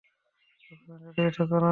ওখানে দাঁড়িয়ে থেকো না।